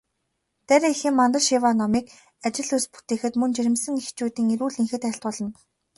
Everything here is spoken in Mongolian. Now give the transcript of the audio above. Дарь эхийн мандал шиваа номыг ажил үйлс бүтээхэд, мөн жирэмсэн эхчүүдийн эрүүл энхэд айлтгуулна.